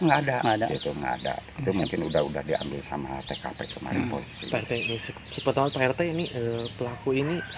enggak ada itu enggak ada itu mungkin udah udah diambil sama hp sampai kemarin seperti ini pelaku